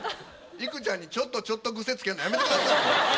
いくちゃんに「ちょっとちょっと」癖つけんのやめてください！